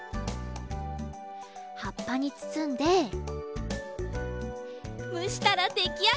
はっぱにつつんでむしたらできあがり！